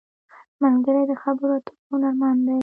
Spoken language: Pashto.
ملګری د خبرو اترو هنرمند دی